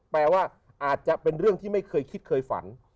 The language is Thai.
แปลว่าอาจจะเป็นเรื่องที่ไม่เคยคิดเคยฝัน